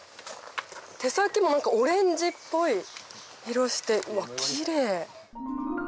手先もオレンジっぽい色してうわキレイ。